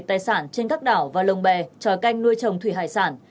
tài sản trên các đảo và lồng bè tròi canh nuôi trồng thủy hải sản